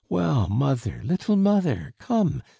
Well, mother, little mother, come!